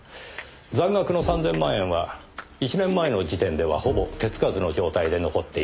残額の３０００万円は１年前の時点ではほぼ手付かずの状態で残っていました。